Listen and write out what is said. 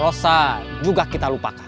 rosa juga kita lupakan